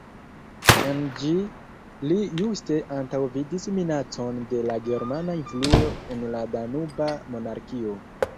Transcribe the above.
En ĝi li juste antaŭvidis minacon de la germana influo en la Danuba Monarkio.